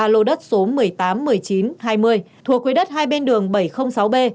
ba lô đất số một mươi tám một mươi chín hai mươi thuộc quỹ đất hai bên đường bảy trăm linh sáu b